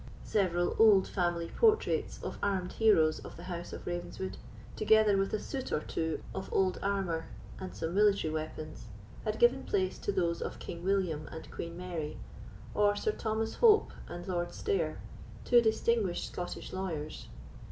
Several old family portraits of armed heroes of the house of Ravenswood, together with a suit or two of old armour and some military weapons, had given place to those of King William and Queen Mary, or Sir Thomas Hope and Lord Stair, two distinguished Scottish lawyers.